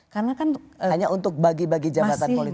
hanya untuk bagi bagi jabatan politik